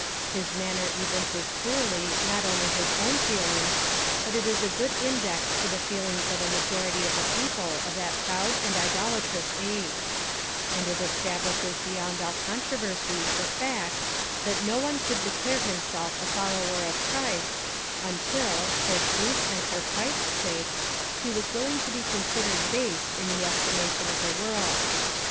His manner evinces clearly not only his own feelings, but it is a good index to the feelings of a majority of the people of that proud and idolatrous age; and it establishes beyond all controversy the fact, that no one could declare him self a follower of Christ, until, for truth and for Christ's sake, he was willing to be considered base m the estimation of the world.